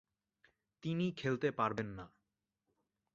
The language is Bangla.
তিনি খেলতে পারবেন না।